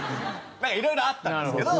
いろいろあったんですけど。